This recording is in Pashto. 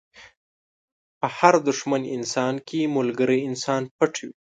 په هر دښمن انسان کې ملګری انسان پټ وي.